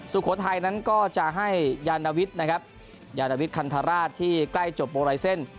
สุโขทัยนั้นก็จะให้ยานวิทย์นะครับยานวิทย์คันธราชที่ใกล้จบโบไลเซ็นต์